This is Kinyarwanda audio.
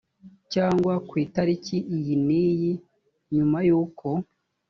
cyangwa ku itariki iyi n iyi nyuma yuko